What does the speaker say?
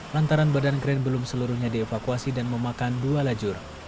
lantaran badan kren belum seluruhnya dievakuasi dan memakan dua lajur